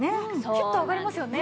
キュッと上がりますよね。